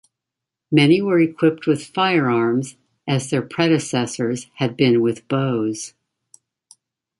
Many were equipped with firearms, as their predecessors had been with bows.